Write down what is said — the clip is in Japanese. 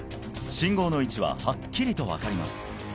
信号の位置ははっきりと分かります